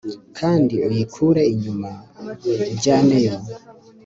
Kandi uyikure inyuma ujyaneyo